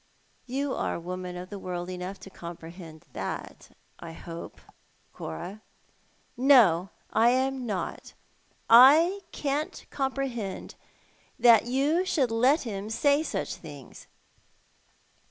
You are woman of the world enough to comprehend that, I hope, Cora." " No, I am not. I can't comprehend that you should let him say such things."